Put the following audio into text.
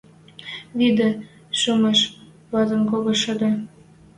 Виднӹ, шӱмӹш вазын кого шӹдӹ